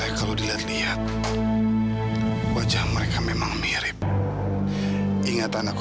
lekas kenapa alone gewa alah enggak